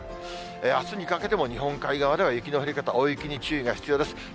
あすにかけても日本海側では雪の降り方、大雪に注意が必要です。